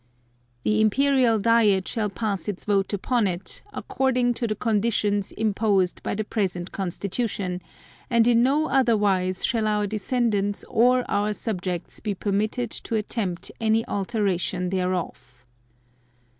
The Imperial Diet shall pass its vote upon it, according to the conditions imposed by the present Constitution, and in no otherwise shall Our descendants or Our subjects be permitted to attempt any alteration thereof.